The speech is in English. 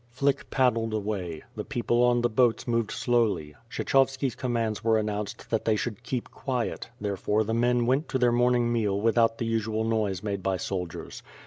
Flick paddled away. The people on the boats moved slowly. Kshcchovski's commands were announced that they should keep quiet; therefore, the men went to their morn ing meal without the usual noise made by soldiers.